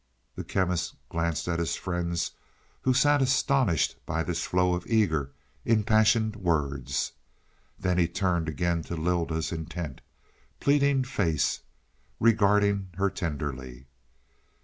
The Chemist glanced at his friends who sat astonished by this flow of eager, impassioned words. Then he turned again to Lylda's intent, pleading face, regarding her tenderly.